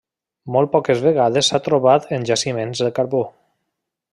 Molt poques vegades s'ha trobat en jaciments de carbó.